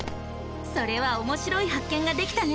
それはおもしろい発見ができたね！